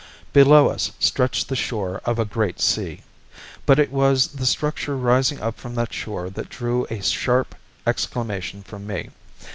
Below us stretched the shore of a great sea. But it was the structure rising up from that shore that drew a sharp exclamation from me.